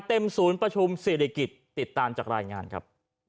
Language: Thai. ศูนย์ประชุมเศรษฐกิจติดตามจากรายงานครับ